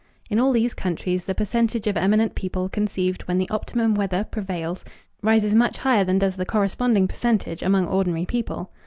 In all these countries the percentage of eminent people conceived when the optimum weather prevails rises much higher than does the corresponding percentage among ordinary people.